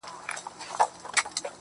o ستا شاعرۍ ته سلامي كومه.